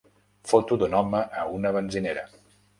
Foto d'un home a una benzinera.